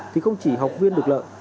thì không chỉ học viên được lợi